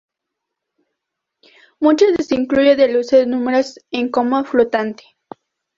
Muchas de sus incluyen el uso de números en coma flotante.